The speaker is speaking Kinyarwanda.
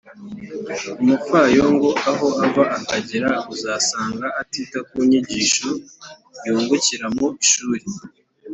umupfayongo aho ava akagera uzasanga atita ku nyigisho yungukira mu ishuri.